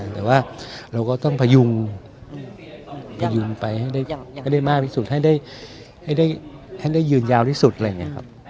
แต่ว่าเราก็ต้องพยุงพยุงไปให้ได้มากที่สุดให้ได้ยืนยาวที่สุดอะไรอย่างนี้ครับ